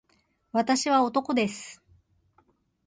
私は男です